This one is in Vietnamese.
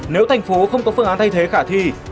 nếu thành phố không có phương án thay thế khả thi